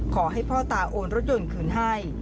ขอให้พ่อตาโอนรถยนต์คืนให้